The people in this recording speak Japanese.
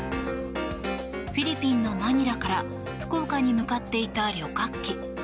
フィリピンのマニラから福岡に向かっていた旅客機。